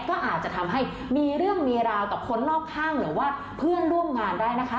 ก็อาจจะทำให้มีเรื่องมีราวต่อคนรอบข้างหรือว่าเพื่อนร่วมงานได้นะคะ